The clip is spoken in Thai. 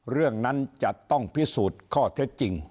เรื่องนั้นจะต้องพิสูจน์ข้อเท็จจริง